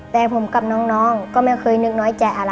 แต่ผมกับน้องก็ไม่เคยนึกน้อยใจอะไร